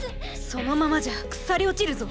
そのままじゃ腐り落ちるぞ。